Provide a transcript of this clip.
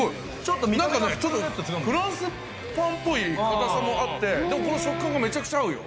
何かちょっとフランスパンっぽい硬さもあってこの食感がめちゃくちゃ合うよ。